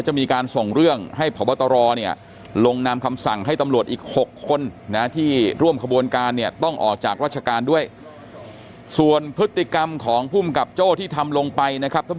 จริงจริงจริงจริงจริงจริงจริงจริงจริงจริงจริงจริงจริงจริงจริง